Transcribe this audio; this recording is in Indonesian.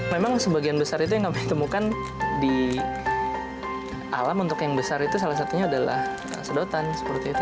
memang sebagian besar itu yang kami temukan di alam untuk yang besar itu salah satunya adalah sedotan seperti itu